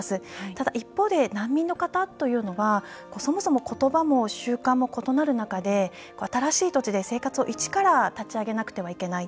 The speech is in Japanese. ただ一方で難民の方というのはそもそも言葉も習慣も異なる中で新しい土地で生活を一から立ち上げなくてはいけない。